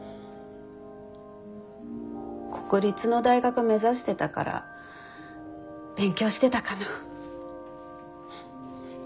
国立の大学目指してたから勉強してたかな。